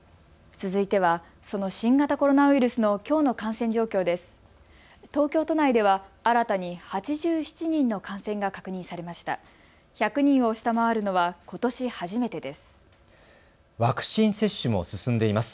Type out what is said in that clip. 続いてはその新型コロナウイルスのきょうの感染状況です。